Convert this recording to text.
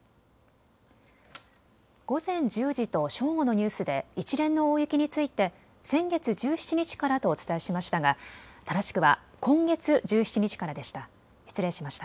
午前１０時と正午のニュースで一連の大雪について先月１７日からとお伝えしましたが正しくは今月１７日からでした。